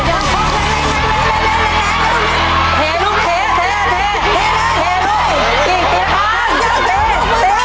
เอาล่ะ